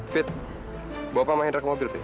fit bawa pak mahendra ke mobil fit